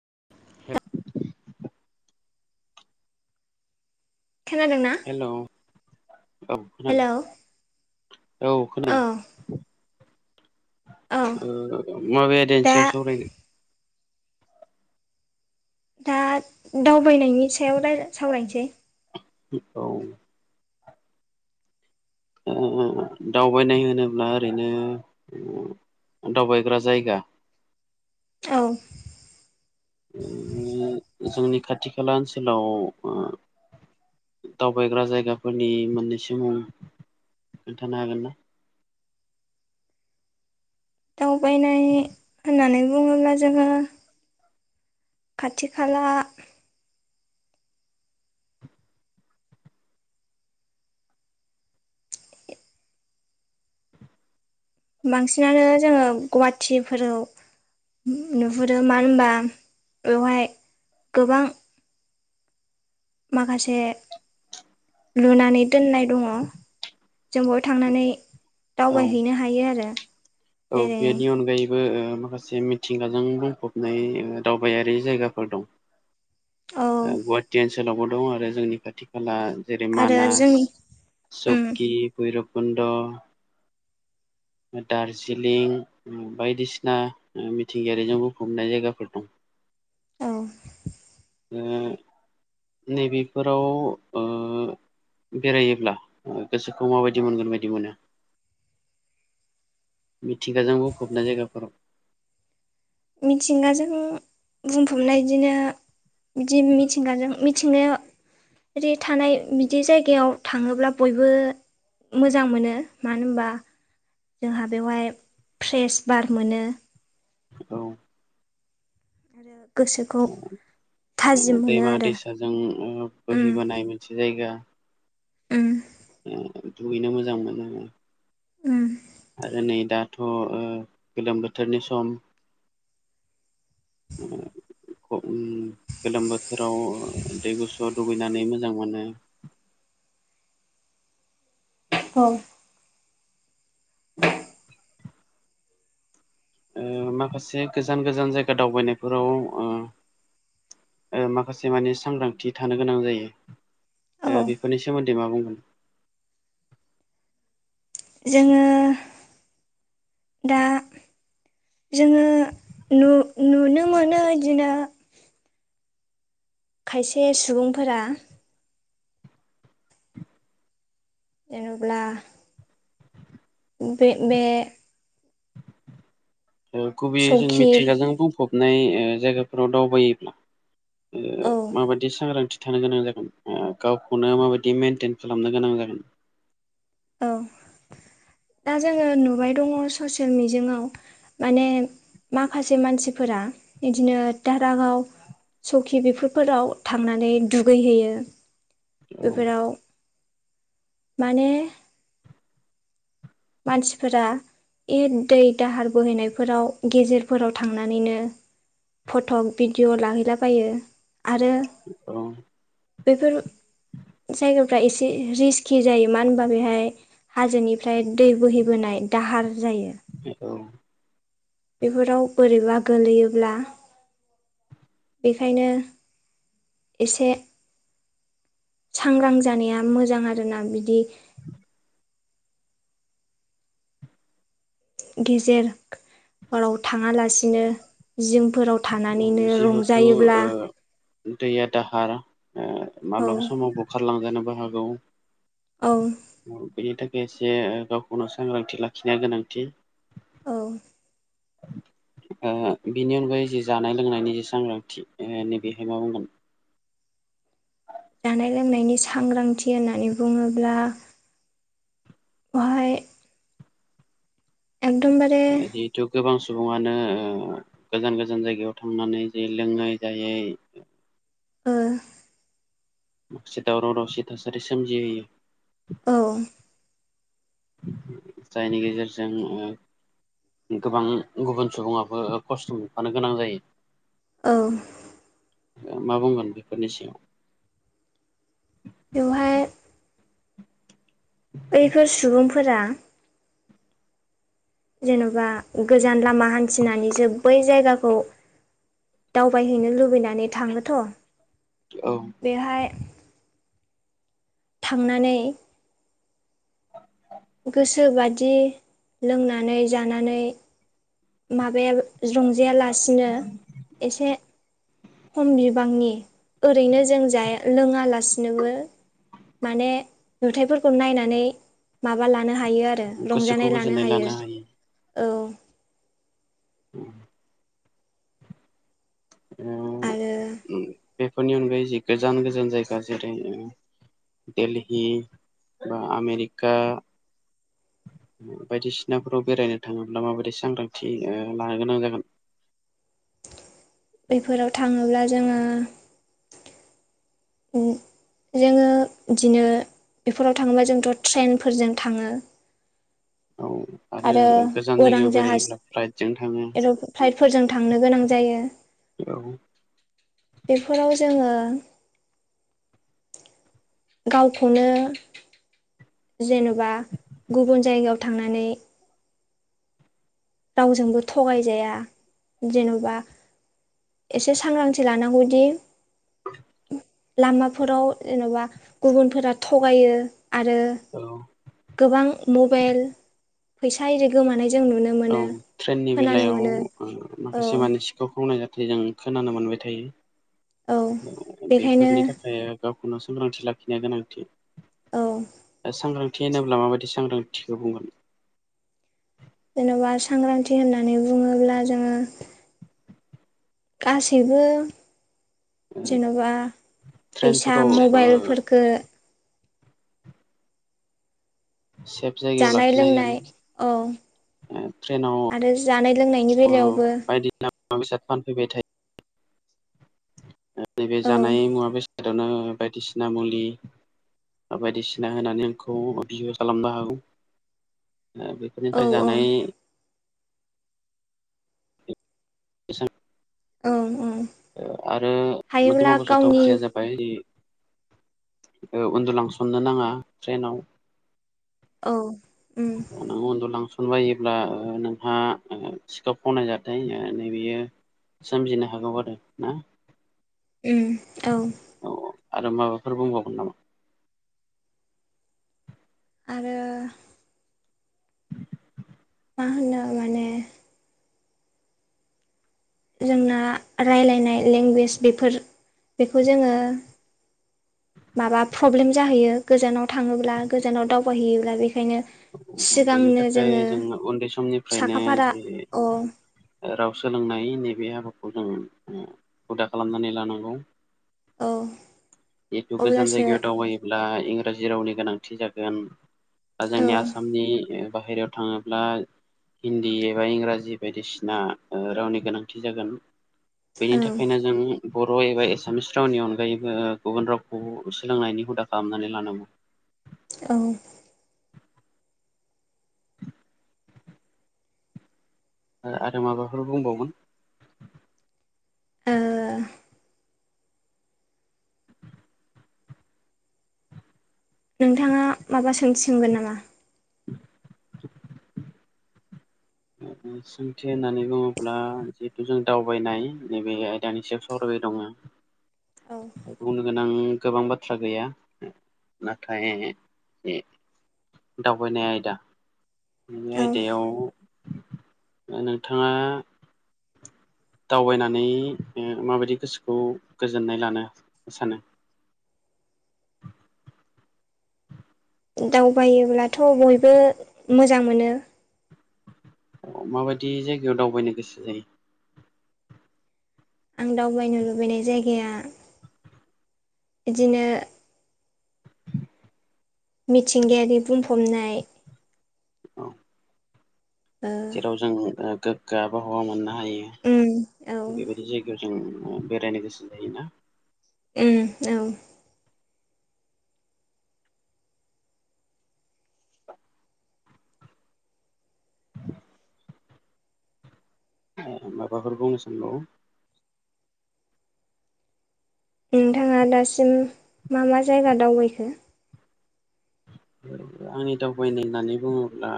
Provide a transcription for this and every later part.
[inaudible] खोनादोंना हेल' औ हेलौ खोनायो। औ औ ओ माबे आयदानि दा सायाव सावरायनो? दा दावबायनायनि सायाव राय सावरायनोसै। औ ओ दावबायनाय होनोब्ला ओरैनो ओ दावबायग्रा जायगा। औ ओ जोंनि खाथि खाला ओनसोलाव दावबायग्रा जायगाफोरनि मोननैसो मुं खोन्थानो हागोन ना? दावबायनाय होननानै बुं बुङोब्ला जोङो खाथि खाला बांसिनानो जोङो गुवाहाटिफोराव नुहुरो मानो होमबा बेवहाय गोबां माखासे लुनानै दोननाय दङ जों बेयाव थांनानै औ दावबायहैनो हायो आरो औ जेरै बेनि अनगायैबो ओ माखासे मि थिंगाजों बुंंफबनाय ओ दावबायारि जायगाफोर दं। औ ओ गुवाहाटि ओनसोलावबो दं आरो जोंनि खाथि खाला जेरै आरो मानास जोंनि उम सकि भैरबकुन्द दारजिलिं बायदिसिना ओ मिथिंगायारिजों बुंफबनाय जायगाफोर दं। [inaudible] औ ओ नै बेफोराव ओ बेरायोब्ला ओ गोसोखौ माबायदि मोनगोन बायदि मोनो? [inaudible] मिथिंगाजों बुंफबनाय जायगाफोराव मिथिंगाजों बुंफबनाय इदिनो बिदि मिथिंगाजों मिथिंनाया बिदि थानाय बिदि जायगायाव थाङोब्ला बयबो मोजां मोनो मानो होमबा जोंहा बेवहाय फ्रेश बार मोनो। औ आरो गोसोखौ थाजिम मोनो दैमा आरो दैसाजों ओ बोहैबोनाय मोनसे जायगा ओम। दुगैनो मोजां मोनो आङो। उम आरो नै दाथ' ओ गोलोम बोथोरनि सम [inaudible] खम गोलोम बोथोराव दै गुसुआव दुगैनानै मोजां मोनो। [unintelligible] [inaudible] ओ माखासे गोजान गोजान जायगा दावबायनायफोराव ओ ओ माखासे माने सांग्रांथि थानो गोनां जायो। ओ औ बेफोरनि सोमोन्दै मा बुंगोन? जोङो दा जोङो नु नुनो मोनो बिदिनो खायसे सुबुंफोरा जेनोब्ला बे ओ गुबैयै जों सौखि मिथिंगाजों बुंफबनाय ओ जायगाफोराव दावबायोब्ला ओ औ माबायदि सांग्रांथि थानो गोनां जागोन, ओ गावखौनो माबायदि मेनटेन खालामनो गोनां जागोन? औ। दा जोङो नुबाय दङ ससियेल मिजिङावआव माने माखासे मानसिफोरा बिदिनो धारागाव सखि बेफोरफोराव थांनानै दुगैहैयो। औ बेफोराव माने मानसिफोरा ए दै दाहार बोहैनायफोराव गेजेरफोराव थांनानैनो फट' भिडिअ' लाहैलाबायो। आरो औ। बेफोर जायगाफ्रा एसे रिस्कि जायो। मानो होनबा बेहाय हाजोनिफ्राय दै बोहैबोनाय दाहार जायो औ। बेफोराव बोरैबा गोलैयोब्ला बेखायनो एसे सांग्रां जानाया मोजां आरोना बिदि गेजेराव थाङालासिनो जिंफोराव थानानैनो औ जिहेथु रंजायोब्ला ओ दैया दाहार ओ औ माब्लाबा समाव बुखारलांजानोबो हागौ। औ बेनि थाखाय एसे गावखौनो सांग्रांथि लाखिनाया गोनांथि। औ। ओ बिनि अनगायै जि जानाय लोंनायनि जि सांग्रांथि नैबेहाय मा बुंगोन? जानाय लोंनायनि सांग्रांथि होननानै बुंङोब्ला बहाय एकदमबारे इदिथ' गोबां सुबुङानो ओ गोजान गोजान जायगायाव थांनानै जि लोङै जायै ओ मक्सिदआव दाराव-दावसि थासारि सोमजिहोयो। औ जायनि गेजेरजों उ गोबां गुबुन सुबुङाबो खस्थ' मोनफानो गोनां जायो। औ। मा बुंगोन बेफोरनि सिङाव? बेवहाय बैफोर सुबुंफोरा जेन'बा गोजान लामा हान्थिनानैसो बै जायगाखौ दावबायहैनो लुबैनानै थाङोथ'। औ बेहाय थांनानै सोरोबादि लोंनानै जानानै माबाया रंजायालासिनो एसे खम बिबांनि ओरैनो जों जाया लोङालासिनोबो माने नुथाइफोरखौ नायनानै नो आरो रंजानाय लानो हायो औ औ आरो ओ बेफोरनि अनगायै जि गोजान गोजान जायगा जेरै ओ दिल्ली बा आमेरिका बायदिसिनाफोराव बेरायनो थाङोब्ला माबायदि सांग्रांथि ओ लानो गोनां जागोन। बेफोराव थाङोब्ला जोङो उ जोङो बिदिनो बेफोराव थाङोबा जोंथ' ट्रेनफोरजों थाङो। औ [inaudible] आरो गोजान उरां जायगायाव जाहाज बेरायोब्ला फ्लाइटजों थाङो एर' फ्लाइटफोरजों थांनो गोनां जायो। औ बेफोराव जोङो गावखौनो जेन'बा गुबुन जायगायाव थांनानै रावजोंबो थगायजाया जेन'बा एसे सांग्रांथि लानांगौदि लामाफोराव जेन'बा गुबुनफोरा थगायो आरो औ गोबां मबाइल फैसा आरि गोमानाय जों नुनो मोनो। ट्रेननि खोनानो बेलायाव मोनो ओ औ माखासे मानसिखौ खावनाय जाथाय जों खोनानो मोनबाय औ थायो। बेखायनो बेफोरनि थाखाय गावखौनो सांग्रांथि लाखिनाया गोनांथि औ दा सांग्रां थि होनोब्ला माबायदि सांग्रांथिखौ बुंगोन। जेन'बा सांग्रांथि होननानै बुङोब्ला जोङो गासैबो ओ जेन'बा फैसा ट्रेनफोराव ओ मबाइलफोरफोरखौ सेफ जायगायाव जानाय लाखिनांगोन लोंनाय औ ओ आरो जानाय लोंनायनि बेलायाव बायदिना मुवा, बेसाद फानफैबाय थायो। नैबे औ जानाय मुवा, बेसादआवनो बायदिसिना मुलि बायदिसिना होनानै आंखौ बिहो खालामनोबो हागौ औ बेफोरनिफ्राय औ जानाय एसान औ औ आरो हायोब्ला मोग साथाव गावनि बाथ्राया जाबाय ओ उन्दुलांसननो नाङा ट्रेनाव औ उम खनबायोब्ला नोंहा सिखाव ओ खावनायजथाय नै बियो सोमजिनो हागौ आरो ना उ औ औ आरो माबाफोर बुंबावगोन नामा? आरो मा होनो माने जोंना रायलायनाय लेंगुवेज बेफोर बेखौ जोङो माबा प्रब्लेम जाहैयो गोजानाव थाङोब्ला गोजानाव दावबायहैयोब्ला बे खायनो बेनि सिगांनो थाखाय जोङो जों उन्दै समनिफ्रायनो साखाफारा जि अ राव सोलोंनाय नैबे हाबाखौ जों हुदा खालामनानै लानांगौ औ एथु गोजान अब्लासो जायगायाव दावबायोब्ला इंराजि रावनि गोनां थि जागोन बा औ जोंनि आसामनि बाहेरायाव थाङोब्ला हिन्दी एबा इंराजि बायदिसिना रावनि गोनांथि जागोन बेनि औ थाखायनो जों बर' एबा एसामिस रावनि अनगायैबो गुबुन रावखौ सोलोंनायनि हुदा खालामनानै लानांगोन औ। आरो माबाफोर बुंबागोन? ओ नोंथांङा माबा सोंथि सोंगोन नामा? सोंथि होननानै बुङोब्ला जिहेथु जों दावबायनाय नैबे आयदानि सायाव सावराय दङ' औ बुंनो गोनां गोबां बाथ्रा गैया नाथाय दावबायनाय आयदा बे औ आयदायाव नोंथांङा दावबायनानै माबायदि गोसोखौ गोजोननाय लानो सानो दावबायोब्लाथ' बयबो मोजां मोनो अ आरो माबायदि जायगायाव दावबायनो गोसो जायो आं दावबायनो लुबैनाय जायगाया इदिनो। मिथिंगायारि बुंफबनाय औ ओ जेराव जों गोग्गो आबहावा मोननो हायो उम औ बेबायदि जायगायाव जों बेरायनो गोसो जायोना उम औ [unintelligible] ए माबाफोर बुंनो साववो नोंथांङा दासिम मा मा जायगा दावबायखो? आंनि दावबायनाय होननानै बुङोब्ला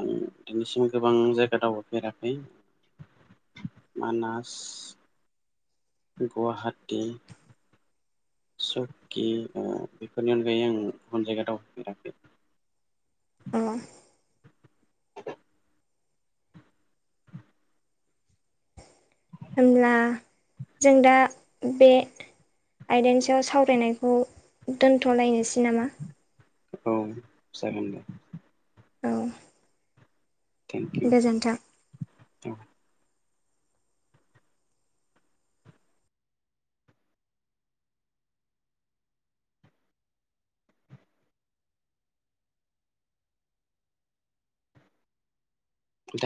आं दिनैसिम गोबां जायगा दावबायफेरा। [unintelligible] [unintelligible] मानास गुवाहाटि स'कि ओ बेफोरनि अनगायै आं अन जायगा दावफेराखै औ। होमब्ला जों दा बे आयदानि सायाव सावरायनायखौ दोनथ'लायनोसै नामा? औ जागोन दे औ। थेंक गोजोन्थों इउ।